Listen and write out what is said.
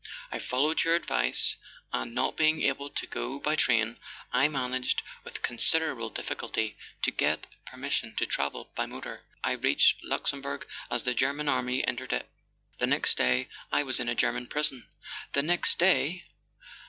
"I followed your advice; and, not being able to go by train, I managed, with considerable difficulty, to get permission to travel by motor. I reached Luxem¬ bourg as the German army entered it—the next day I was in a German prison." The next day!